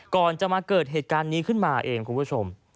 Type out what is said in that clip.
ก่อนจะมาเกิดเหตุการณ์นี้ขึ้นมาเองคุณผู้ชม